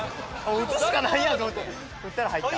打つしかないやんと思って打ったら入った。